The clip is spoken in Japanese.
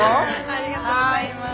ありがとうございます。